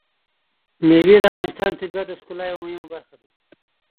مېوې د افغانستان د طبیعت د ښکلا یوه مهمه برخه ده.